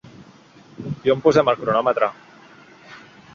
I on posem el cronòmetre?